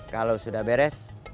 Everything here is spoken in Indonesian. kalau sudah beres